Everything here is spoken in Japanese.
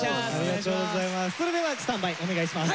それではスタンバイお願いします。